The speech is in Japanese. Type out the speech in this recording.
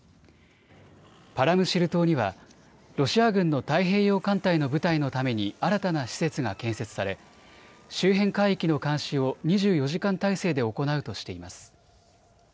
パラムシル島にはロシア軍の太平洋艦隊の部隊のために新たな施設が建設され周辺海域の監視を２４時間態勢で行うとしています。